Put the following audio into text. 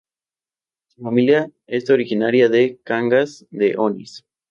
Su familia es originaria de Cangas de Onís.